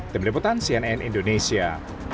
demi deputan cnn indonesia